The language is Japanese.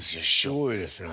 すごいですね。